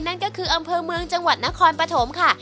นั่นก็คืออำเภอเมืองจังหวัดนครปฐมค่ะ